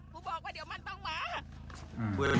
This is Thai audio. คุยกันเรื่องผู้หญิง